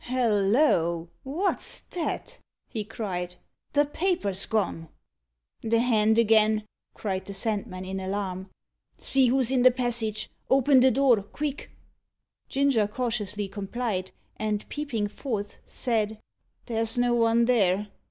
"Halloa! What's that?" he cried. "The paper's gone!" "The hand again!" cried the Sandman, in alarm. "See who's in the passage open the door quick!" Ginger cautiously complied, and, peeping forth, said "There's no one there.